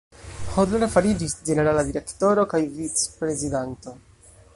Hodler fariĝis Ĝenerala Direktoro kaj Vicprezidanto.